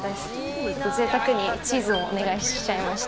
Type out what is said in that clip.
ぜいたくにチーズもお願いしちゃいました。